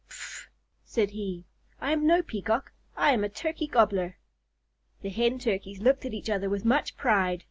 "Pffff!" said he. "I am no Peacock. I am a Turkey Gobbler." The Hen Turkeys looked at each other with much pride.